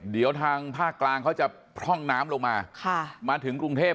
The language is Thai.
เดี๋ยวทางภาคกลางเขาจะพร่องน้ำลงมาค่ะมาถึงกรุงเทพ